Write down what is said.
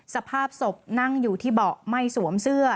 สภาพศพนั่งอยู่ที่เบาะไม่สวมเสื้อ